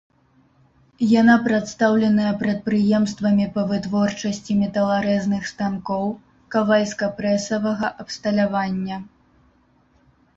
Яна прадстаўленая прадпрыемствамі па вытворчасці металарэзных станкоў, кавальска-прэсавага абсталявання.